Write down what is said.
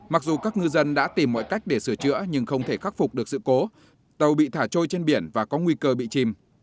mặc dù các ngư dân đã tìm mọi cách để sửa chữa nhưng không thể khắc phục được sự cố tàu bị thả trôi trên biển và có nguy cơ bị chìm